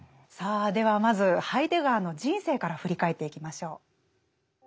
さあではまずハイデガーの人生から振り返っていきましょう。